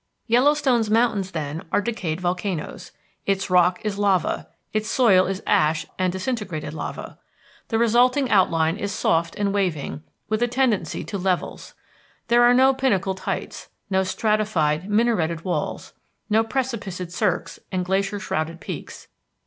Yellowstone's mountains, then, are decayed volcanoes, its rock is lava, its soil is ash and disintegrated lava. The resulting outline is soft and waving, with a tendency to levels. There are no pinnacled heights, no stratified, minareted walls, no precipiced cirques and glacier shrouded peaks.